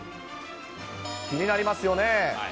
気になりますよね。